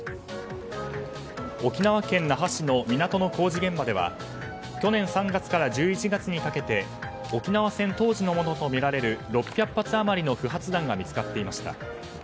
沖縄県那覇市の港の工事現場では去年３月から１１月にかけて沖縄戦当時のものとみられる６００発余りの不発弾が見つかっていました。